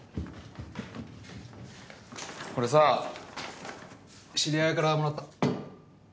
これさ知り合いからもらった。